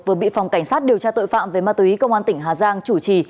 vừa bị phòng cảnh sát điều tra tội phạm về ma túy công an tỉnh hà giang chủ trì